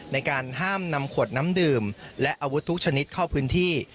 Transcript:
ในการห้ามนำขวดน้ำดื่มและอาวุธทุกชนิดเข้าพื้นที่